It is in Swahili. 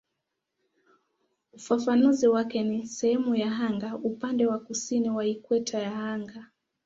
Ufafanuzi wake ni "sehemu ya anga upande wa kusini wa ikweta ya anga".